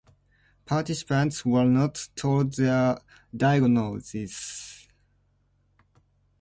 Participants were not told their diagnosis.